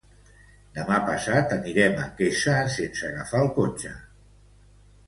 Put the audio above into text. Demà passat anirem a Quesa sense agafar el cotxe.